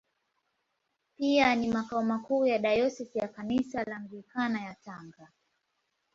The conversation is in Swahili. Pia ni makao makuu ya Dayosisi ya Kanisa la Anglikana ya Tanga.